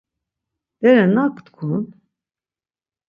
Bere nak dgun?